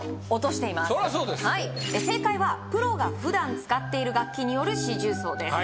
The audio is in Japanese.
はい正解はプロがふだん使っている楽器による四重奏です